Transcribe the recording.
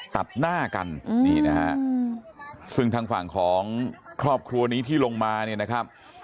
ตัดหน้ากันนี่นะฮะซึ่งทางฝั่งของครอบครัวนี้ที่ลงมาเนี่ยนะครับ